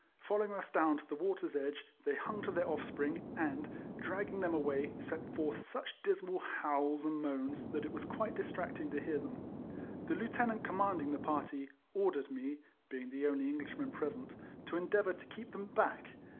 Following us down to the 12 RECOLLECTIONS OF wator's edge, they hung to their offspring, and, dragging them away, sent forth such dismal howls and moans that it was quite distracting to hear them. The Lieutenant commanding the party, ordered me (being the only Englishman present) to endeavour to keep them back.